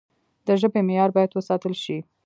د ژبي معیار باید وساتل سي.